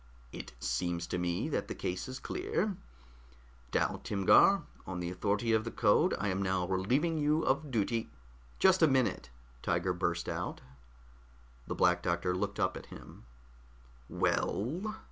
"It seems to me that the case is clear. Dal Timgar, on the authority of the Code, I am now relieving you of duty " "Just a minute," Tiger Martin burst out. The Black Doctor looked up at him. "Well?"